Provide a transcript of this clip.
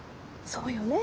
そうよね。